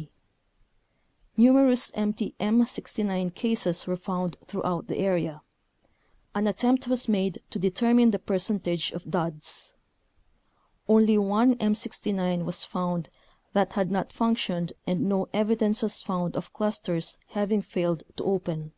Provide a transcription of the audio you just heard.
d. Numerous empty M69 cases were found throughout the area. An attempt was made to determine the percentage of duds. Only one M69 was found that had not functioned and no evidence was found of clusters having failed to open.